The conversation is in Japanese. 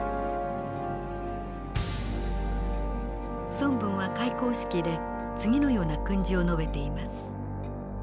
孫文は開校式で次のような訓辞を述べています。